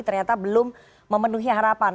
ternyata belum memenuhi harapan